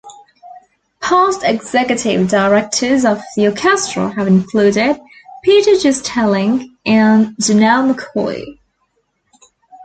Past executive directors of the orchestra have included Peter Gistelinck and Janelle McCoy.